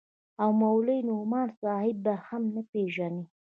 او مولوي نعماني صاحب به هم نه پېژنې.